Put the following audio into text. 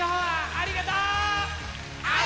ありがとう！